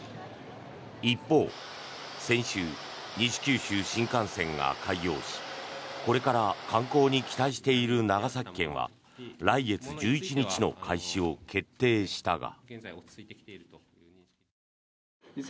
一方先週、西九州新幹線が開業しこれから観光に期待している長崎県は来月１１日の開始を決定したが。